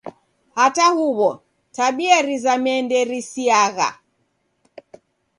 Hata huw'o tabia rizamie nderisiriagha.